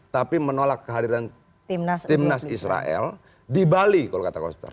tapi menolak kehadiran timnas israel di bali kalau kata koster